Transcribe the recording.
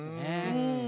うん。